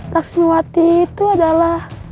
laksmiwati itu adalah